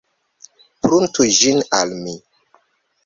Pruntu ĝin al mi!